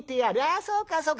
そうかそうか。